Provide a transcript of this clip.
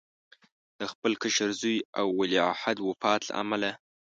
د خپل کشر زوی او ولیعهد وفات له امله.